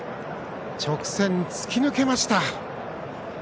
直線突き抜けました。